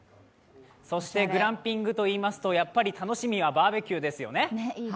グランピングといいますと、やっぱり楽しみはバーベキューですよね。